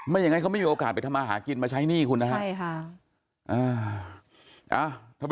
อย่างนั้นเขาไม่มีโอกาสไปทำมาหากินมาใช้หนี้คุณนะครับ